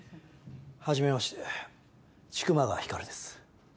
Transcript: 初めまして千曲川光です。